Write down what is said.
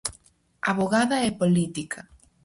Avogada e política.